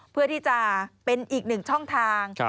เพื่อที่จะเป็นอีกหนึ่งช่องทาง